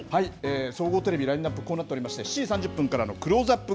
総合テレビラインナップ、こうなっておりまして、７時３０分からのクローズアップ